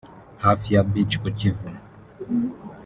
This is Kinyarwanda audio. hafi ya Beach ku Kivu